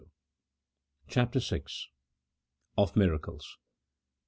81 CHAPTER VI. OP MIRACLES.